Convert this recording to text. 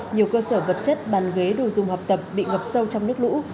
nhiều cơ sở vật chất bàn ghế đồ dùng học tập bị ngập sâu trong nước lũ